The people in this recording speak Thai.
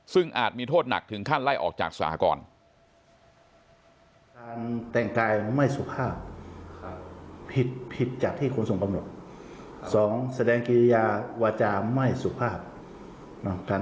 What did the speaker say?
ซึ่งอาจมีโทษหนักถึงขั้นไล่ออกจากสหกร